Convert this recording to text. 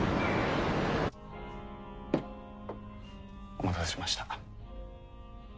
お待たせしました。